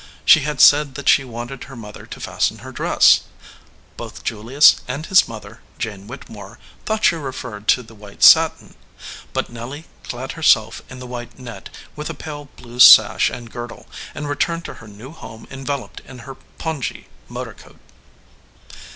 She had said that she wanted her mother to fasten her dressA Both Julius and his mother, Jane Whittemore, thought she referred to the white satin. But Nelly clad herself in the white net, with the pale blue sash and girdle, 192 SOUR SWEETINGS and returned to her new home enveloped in her pongee motor coat.